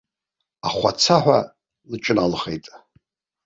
Ахәацаҳәа лҿыналхеит.